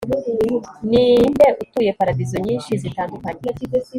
ninde utuye paradizo nyinshi zitandukanye